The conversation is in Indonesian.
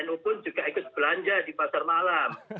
nu pun juga ikut belanja di pasar malam